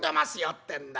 ってんだ。